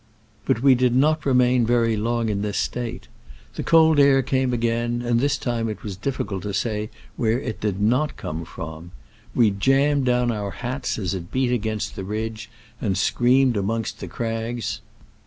But we did not remain very long in this state. The cold air came again, and this time it was difficult to say where it did not come from. We jammed down our hats as it beat against the ridge and screamed amongst the crags.